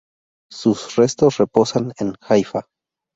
Sus restos reposan en Haifa.